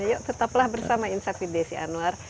yoke tetaplah bersama insafi desi anwar